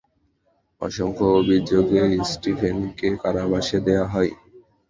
অসংখ্য অভিযোগে স্টিফেনকে কারাবাস দেওয়া হয়।